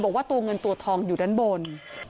บอกว่าตัวเงินตัวทองอยู่ด้านบน